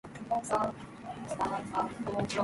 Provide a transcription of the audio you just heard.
The wreck is monitored by radar by the Finnish Navy.